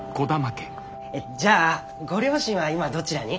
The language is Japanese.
じゃあご両親は今どちらに？